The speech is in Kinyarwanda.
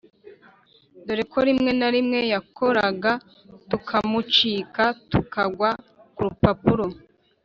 dore ko rimwe na rimwe yakoraraga tukamucika tukagwa kurupapuro,